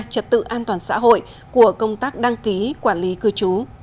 trật tự an toàn xã hội của công tác đăng ký quản lý cư trú